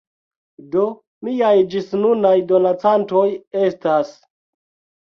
Do, miaj ĝisnunaj donacantoj estas